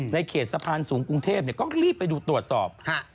ในเขตสะพานศูนย์กรุงเทพเนี่ยก็รีบไปดูตรวจสอบ